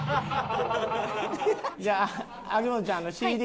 じゃあ秋元ちゃんＣＤ。